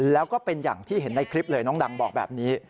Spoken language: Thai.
แล้วก็เป็นอย่างที่เห็นในคลิปเลยน้องดังบอกแบบนี้